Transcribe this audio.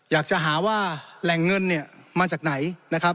อยากจะหาว่าแหล่งเงินเนี่ยมาจากไหนนะครับ